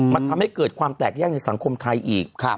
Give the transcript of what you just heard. มันทำให้เกิดความแตกแยกในสังคมไทยอีก